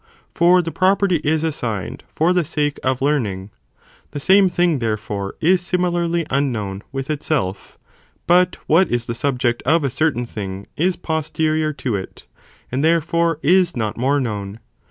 eee For the property is assigned, for the sake of learning; the same thing therefore is similarly unknown with itself, but what is the subject of a.certain thing is posterior to it, "and therefore is not more known.